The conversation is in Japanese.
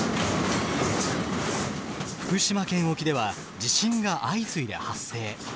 福島県沖では地震が相次いで発生。